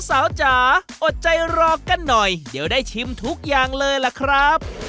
จ๋าอดใจรอกันหน่อยเดี๋ยวได้ชิมทุกอย่างเลยล่ะครับ